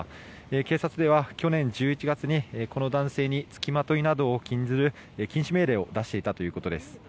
警察では去年１１月にこの男性に付きまといなどを禁ずる禁止命令を出していたということです。